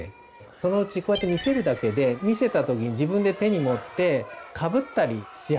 そのうちこうやって見せるだけで見せた時に自分で手に持ってかぶったりし始める。